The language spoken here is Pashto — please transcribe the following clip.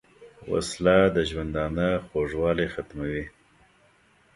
وسله د ژوندانه خوږوالی ختموي